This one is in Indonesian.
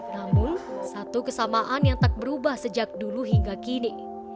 namun satu kesamaan yang tak berubah sejak dulu hingga kini